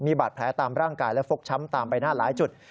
บาดแผลตามร่างกายและฟกช้ำตามใบหน้าหลายจุด